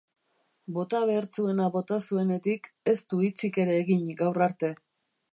Bota behar zuena bota zuenetik, ez du hitzik ere egin gaur arte.